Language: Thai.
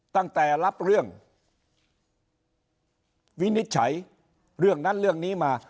ตั้งแต่รับเรื่องวินิจฉัยเรื่องนั้นเรื่องนี้มา